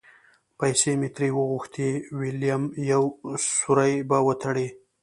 پیسې مې ترې وغوښتې؛ وېلم یو سوری به وتړي.